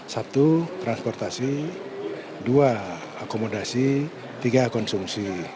satu transportasi dua akomodasi tiga konsumsi